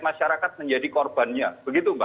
masyarakat menjadi korbannya begitu mbak